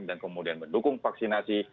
dan kemudian mendukung vaksinasi